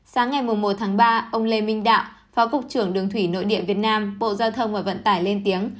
sáng ngày một tháng ba ông lê minh đạo phó cục trưởng đường thủy nội địa việt nam bộ giao thông và vận tải lên tiếng